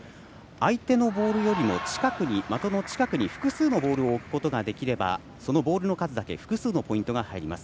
相手のボールよりも的の近くに複数のボールを置くことができればそのボールの数だけ複数のポイントが入ります。